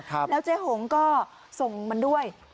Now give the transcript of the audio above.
แล้วเจ๊หงก็ส่งมันด้วย